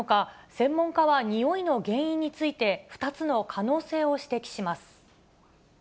専門家は臭いの原因について、２つの可能性を指摘します。